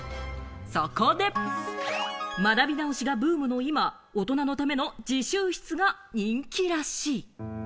そこで、学び直しがブームの今、大人のための自習室が人気らしい。